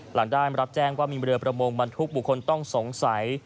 หลังได้รับแจ้งว่ามีเรือประมงบรรทุกบุคคลต้องสงสัย